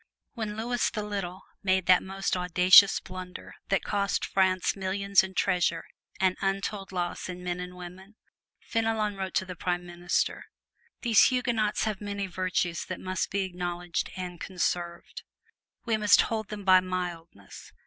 When Louis the Little made that most audacious blunder which cost France millions in treasure and untold loss in men and women, Fenelon wrote to the Prime Minister: "These Huguenots have many virtues that must be acknowledged and conserved. We must hold them by mildness.